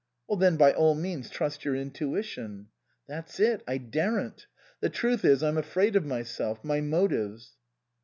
" Then by all means trust your intuition." " That's it I daren't. The truth is, I'm afraid of myself my motives."